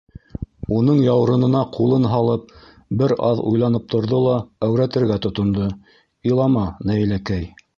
Уның яурынына ҡулын һалып, бер аҙ уйланып торҙо ла әүрәтергә тотондо: - Илама, Наиләкәй.